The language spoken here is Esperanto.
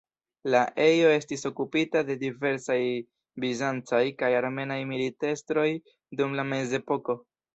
La ejo estis okupita de diversaj bizancaj kaj armenaj militestroj dum la Mezepoko.